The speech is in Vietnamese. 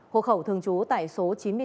hộ khẩu thường trú tại số chín mươi sáu